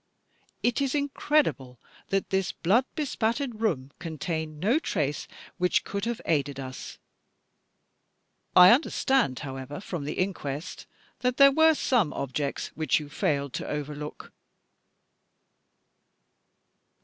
It is incredible that this blood bespattered room contained no trace which could have aided us. I understand, however, from the inquest that there were some objects which you failed to overlook?"